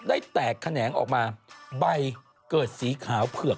แตกแขนงออกมาใบเกิดสีขาวเผือก